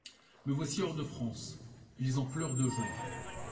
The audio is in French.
Me voici hors de France ! ils en pleurent de joie